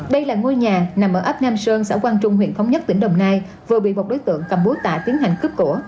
đây là ngôi nhà nằm ở ấp nam sơn xã quang trung huyện thống nhất tỉnh đồng nai vừa bị một đối tượng cầm búa tạ tiến hành cướp của